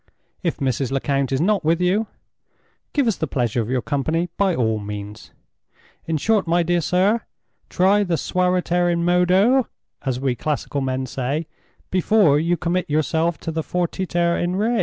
If Mrs. Lecount is not with you, give us the pleasure of your company by all means. In short, my dear sir, try the suaviter in modo (as we classical men say) before you commit yourself to the _fortiter in re!"